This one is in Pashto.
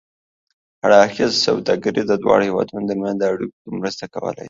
اړخیزه سوداګري د دواړو هېوادونو ترمنځ په اړیکو کې مرسته کولای شي.